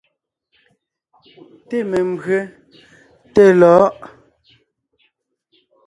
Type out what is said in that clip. Té membÿe, té lɔ̌ʼ.